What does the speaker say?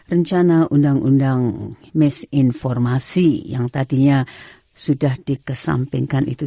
rencana undang undang misinformasi yang tadinya sudah dikesampingkan itu